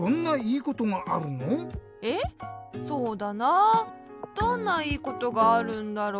そうだなあどんないいことがあるんだろう？